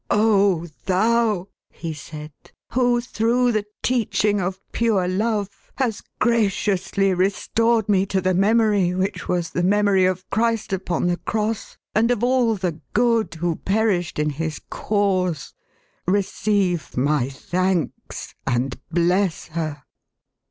"O Thou," he said, "who through the teaching of pure love, has graciously restored me to the memory which was the memory of Christ upon the cross, and of all the good who perished in His cause, receive my thanks, and bless her